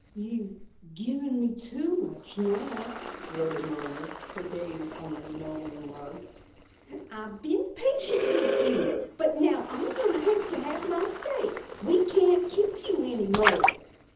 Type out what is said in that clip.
"You've given me too much now," Rhoda murmured, her gaze on the linoleum rug. "I've been patient with you, but now I'm going to have my say. We can't keep you any more."